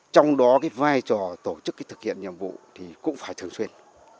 trong đó vai trò tổ chức thực hiện nhiệm vụ cũng phải thường xuyên